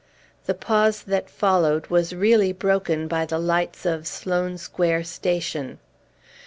The pause that followed was really broken by the lights of Sloane Square station.